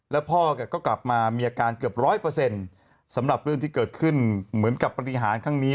แล้วพ่อก็กลับมามีอาการเกือบร้อยเปอร์เซ็นต์สำหรับเรื่องที่เกิดขึ้นเหมือนกับปฏิหารครั้งนี้